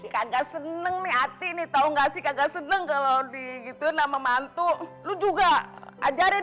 kagak seneng nih hati ini tahu enggak sih kagak seneng kalau di gitu nama mantu lu juga ajarin